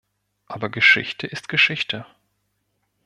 Aber Geschichte ist Geschichte.